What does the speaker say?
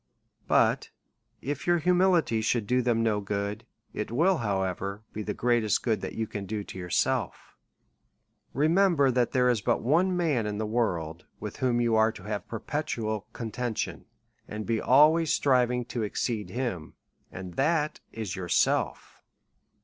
But if your humility should do them no good, it will however be the greatest good that you can do to yourself. Remember that there is but one man in the world, with whom you are to have perpetual contention, and be always striving to exceed him, and that is yourself.